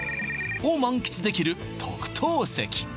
○○を満喫できる特等席